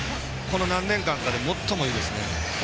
この何年間かで最もいいですね。